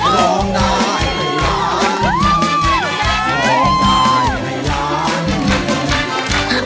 ร้องได้ให้ล้าน